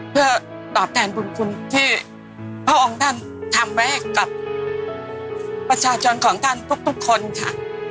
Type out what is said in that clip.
เพื่อตอบแทนบุญคุณที่พระองค์ท่านทำไว้ให้กับประชาชนของท่านทุกคนค่ะ